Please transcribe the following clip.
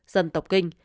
dân tộc kinh